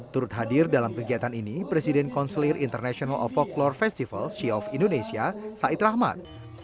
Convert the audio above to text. turut hadir dalam kegiatan ini presiden konselir international of folklore festival c off indonesia said rahmat